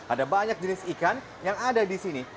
ada banyak jenis ikan yang ada di sini